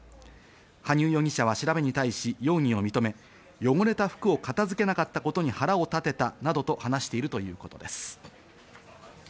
羽生容疑者は調べに対し容疑を認め、汚れた服を片付けなかったことに腹を立てたなどと話しているということです。